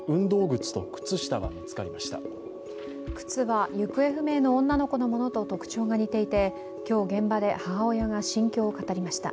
靴は行方不明の女の子のものと特徴が似ていて、今日、現場で母親が心境を語りました。